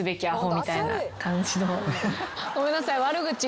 ごめんなさい。